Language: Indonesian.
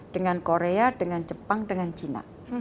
dengan korea dengan jepang dengan cina